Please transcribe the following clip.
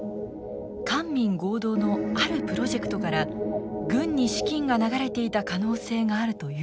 官民合同のあるプロジェクトから軍に資金が流れていた可能性があるというのです。